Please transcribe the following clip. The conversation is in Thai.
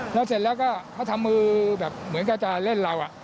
แล้วเสร็จแล้วก็เขาทำมือแบบเหมือนก็จะเล่นเรา